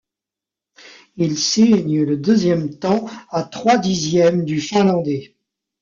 Il signe le deuxième temps à trois dixièmes du Finlandais.